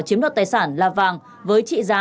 chiếm đoạt tài sản là vàng với trị giá